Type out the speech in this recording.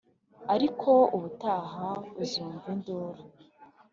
ariko ubutaha uzumva induru